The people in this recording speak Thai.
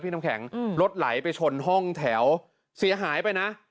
น้ำแข็งรถไหลไปชนห้องแถวเสียหายไปนะ